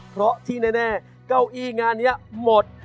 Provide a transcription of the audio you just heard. เพราะที่แน่เก้าอี้งานนี้หมด